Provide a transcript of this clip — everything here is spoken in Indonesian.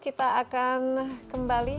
kita akan kembali